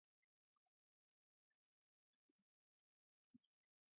This is the energetic ground state, or native state.